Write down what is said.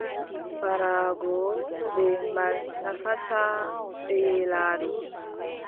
Ɓaraago beembal nafataa beelaaɗo.